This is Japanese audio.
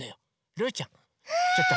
ルーちゃんちょっと。